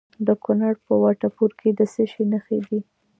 د کونړ په وټه پور کې د څه شي نښې دي؟